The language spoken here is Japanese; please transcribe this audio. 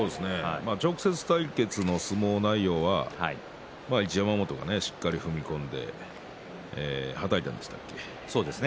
直接対決の相撲内容は一山本がしっかり踏み込んではたいたんでしたっけね。